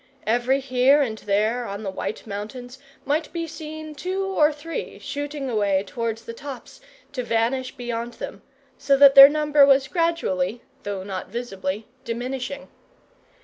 Every here and there on the white mountains might be seen two or three shooting away towards the tops, to vanish beyond them, so that their number was gradually, though not visibly, diminishing.